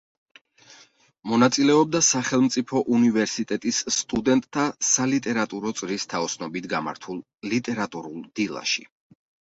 მონაწილეობდა სახელმწიფო უნივერსიტეტის სტუდენტთა სალიტერატურო წრის თაოსნობით გამართულ ლიტერატურულ დილაში.